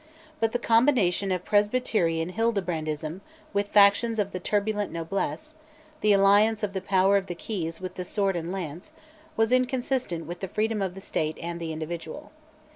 But the combination of "presbyterian Hildebrandism" with factions of the turbulent noblesse; the alliance of the Power of the Keys with the sword and lance, was inconsistent with the freedom of the State and of the individual.